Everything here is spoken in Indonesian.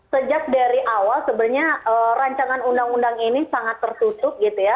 sejak dari awal sebenarnya rancangan undang undang ini sangat tertutup gitu ya